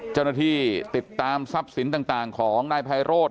เจ้าหน้าที่ติดตามทรัพย์สินต่างของนายไพโรธ